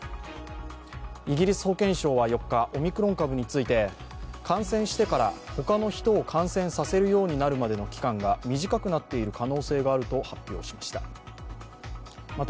イギリス保健省は４日オミクロン株について感染してから他の人を感染させるようになるまでの期間が短くなっている可能性があると発表しました。